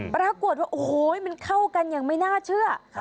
ปรากฏว่าโอ้โหมันเข้ากันอย่างไม่น่าเชื่อ